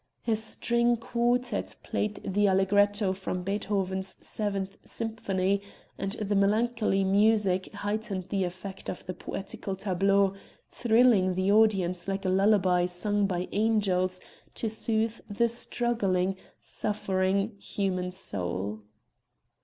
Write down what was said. A string quartet played the allegretto from Beethoven's seventh symphony and the melancholy music heightened the effect of the poetical tableau, thrilling the audience like a lullaby sung by angels to soothe the struggling, suffering human soul.